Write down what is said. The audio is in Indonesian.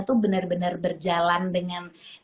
tuh bener bener berjalan dengan